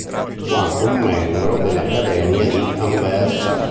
Fu anche un membro della Accademia di Anversa.